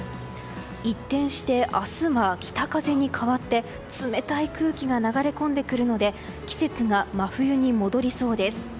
一転して、明日は北風に変わって冷たい空気が流れ込んでくるので季節が真冬に戻りそうです。